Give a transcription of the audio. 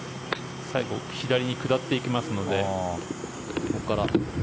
最後左に下っていきますので。